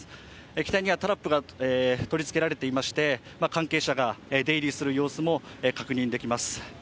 機体にはタラップが取り付けられていまして、関係者が出入りする様子も確認できます。